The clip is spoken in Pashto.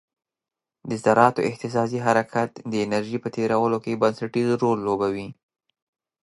د ذراتو اهتزازي حرکت د انرژي په تیرولو کې بنسټیز رول لوبوي.